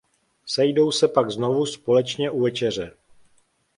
Sejdou se pak znovu společně u večeře.